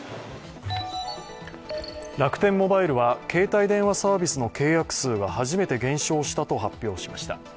楽天モバイルは携帯電話サービスの契約数が初めて減少したと発表しました。